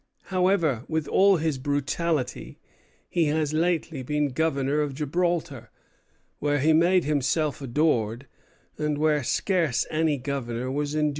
However, with all his brutality, he has lately been governor of Gibraltar, where he made himself adored, and where scarce any governor was endured before."